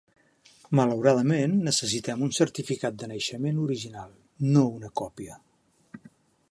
Malauradament, necessitem un certificat de naixement original, no una còpia.